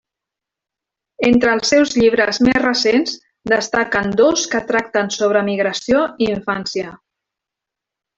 Entre els seus llibres més recents destaquen dos que tracten sobre migració i infància.